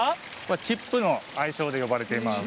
チップの愛称で呼ばれています。